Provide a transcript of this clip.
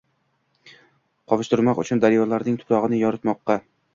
Qovushtirmoq uchun daryolarning tuprogʻini yormoqda